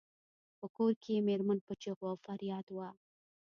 په کور کې یې میرمن په چیغو او فریاد وه.